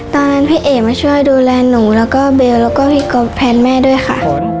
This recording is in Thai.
พี่เอ๋มาช่วยดูแลหนูแล้วก็เบลแล้วก็พี่ก๊อฟแทนแม่ด้วยค่ะ